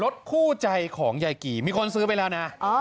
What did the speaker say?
คู่ใจของยายกี่มีคนซื้อไปแล้วนะ